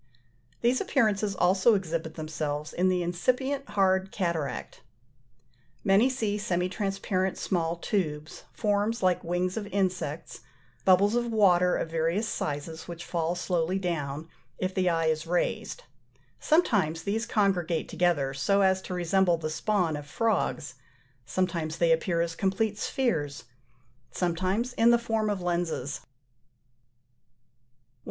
These appearances also exhibit themselves in the incipient hard cataract. Many see semi transparent small tubes, forms like wings of insects, bubbles of water of various sizes, which fall slowly down, if the eye is raised: sometimes these congregate together so as to resemble the spawn of frogs; sometimes they appear as complete spheres, sometimes in the form of lenses. 120.